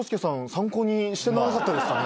参考にしてなかったですかね？